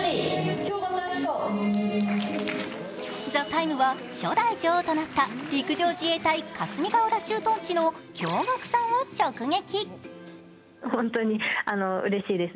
「ＴＨＥＴＩＭＥ，」は初代女王となった陸上自衛隊・霞ヶ浦駐屯地の京極さんを直撃。